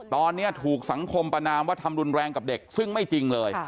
ตอนนี้ถูกสังคมประนามว่าทำรุนแรงกับเด็กซึ่งไม่จริงเลย